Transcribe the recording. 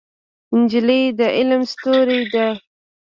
نجلۍ د علم ستورې ده.